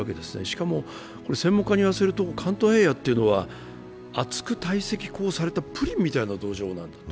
しかも、専門家に言わせる関東平野というのは厚く堆積されたプリンみたいな構造なんだと。